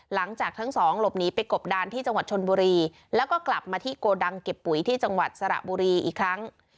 หลังจากทั้งสองหลบหนีไปกบดานที่จังหวัดชนบุรีแล้วก็กลับมาที่โกดังเก็บปุ๋ยที่จังหวัดสระบุรีอีกครั้ง